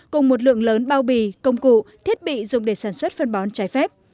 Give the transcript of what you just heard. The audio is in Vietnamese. cùng một lượng lớn bao bì công cụ thiết bị dùng để sản xuất phân bón trái phép